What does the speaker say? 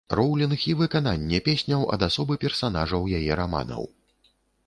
Роўлінг і выкананне песняў ад асобы персанажаў яе раманаў.